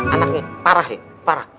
anaknya parah ya